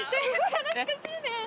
懐かしいね！